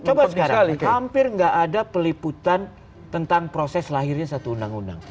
coba sekali hampir nggak ada peliputan tentang proses lahirnya satu undang undang